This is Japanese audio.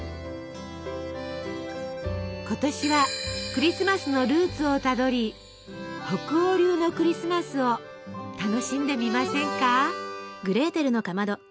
今年はクリスマスのルーツをたどり北欧流のクリスマスを楽しんでみませんか？